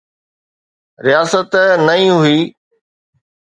رياست نئين هئي.